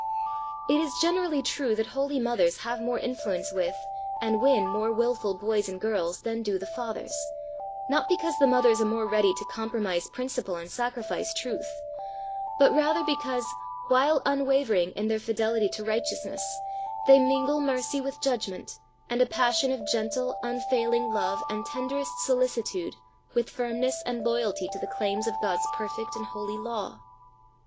It is generally true that holy mothers have more influence with and win more wilful boys and girls than do the fathers, not be cause the mothers are more ready to com promise principle and sacrifice truth, but rather because while unwavering in their fidelity to righteousness, they mingle mercy with judgment and a passion of gentle, un failing love and tenderest solicitude with firmness and loyalty to the claims of God's perfect and holy law.